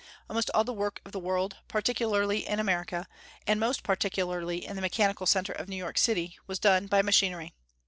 Almost all the work of the world, particularly in America, and most particularly in the mechanical center of New York City, was done by machinery.